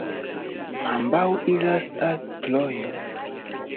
Ambaŭ iras al Trojo.